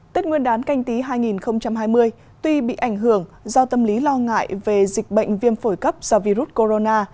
tết nguyên đán canh tí hai nghìn hai mươi tuy bị ảnh hưởng do tâm lý lo ngại về dịch bệnh viêm phổi cấp do virus corona